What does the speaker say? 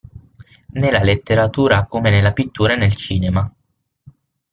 Nella letteratura come nella pittura e nel cinema.